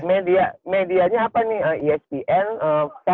media medianya apa nih ispn fox atau